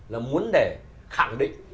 là muốn để khẳng định